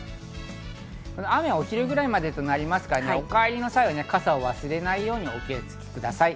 雨はお昼ぐらいまでとなりますから、お帰りの際は傘を忘れないようにお気をつけください。